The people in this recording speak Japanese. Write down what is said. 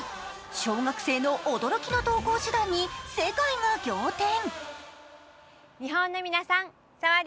小学生の驚きの登校手段に世界が仰天。